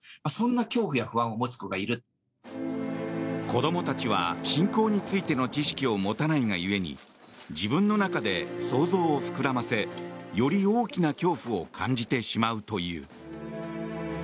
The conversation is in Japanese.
子供たちは侵攻についての知識を持たないが故に自分の中で想像を膨らませより大きな恐怖を感じてしまうという。